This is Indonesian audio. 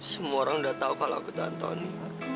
semua orang sudah tahu kalau aku antoni